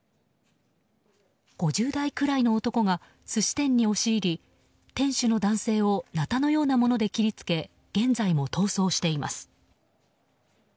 ５０代くらいの男が寿司店に押し入り店主の男性をなたのようなもので切り付け現在も逃走しています。